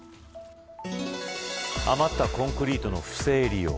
余ったコンクリートの不正利用